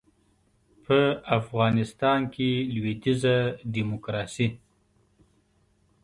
په افغانستان کې لویدیځه ډیموکراسي